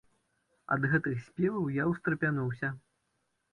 Ад гэтых спеваў я ўстрапянуўся.